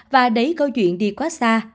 và đẩy câu chuyện đi quá xa